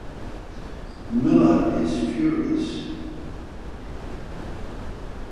Miller is furious.